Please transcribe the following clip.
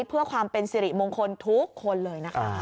เพื่อความเป็นสิริมงคลทุกคนเลยนะคะ